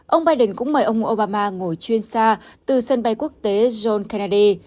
ông biden cũng mời ông obama ngồi chuyên xa từ sân bay quốc tế john kennedy